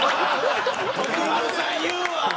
徳丸さん言うわ！